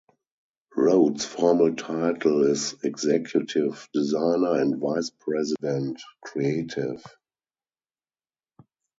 Rohde's formal title is Executive Designer and Vice President, Creative.